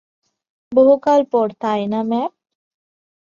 বহুকাল পর, তাই না, ম্যাভ?